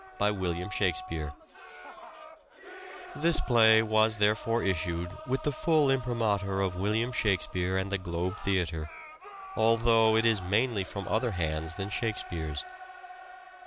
... By William Shakspere ..." This play was therefore issued with the full imprimatur of William Shakspere and the Globe Theatre, although it is mainly from other hands than Shakespeare's.